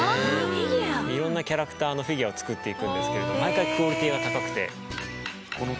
色んなキャラクターのフィギュアを作っていくんですけれども毎回クオリティーが高くて。